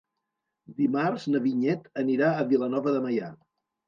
Dimarts na Vinyet anirà a Vilanova de Meià.